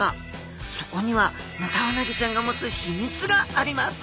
そこにはヌタウナギちゃんが持つ秘密があります！